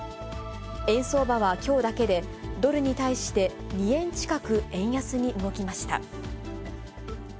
円相場はきょうだけで、ドルに対して２円近く円安に動きました。